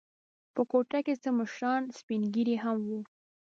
په کوټه کې څه مشران سپین ږیري هم و.